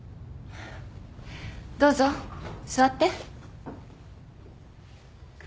どうぞ座って。